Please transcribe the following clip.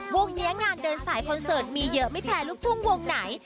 วงนี้งานเดินสายคอนเสิร์ตมีเยอะไม่แพ้ลูกทุ่งวงไหน